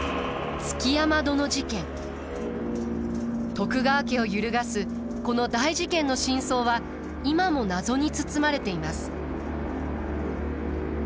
徳川家を揺るがすこの大事件の真相は今も謎に包まれています。